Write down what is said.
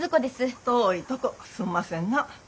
遠いとこすんませんな。